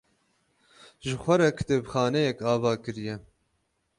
Ji xwe re kitêbxaneyek ava kiriye.